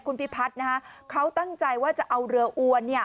คุณพิพัฒน์นะฮะเขาตั้งใจว่าจะเอาเรืออวนเนี่ย